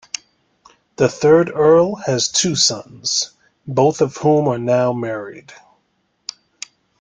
The third Earl has two sons, both of whom are now married.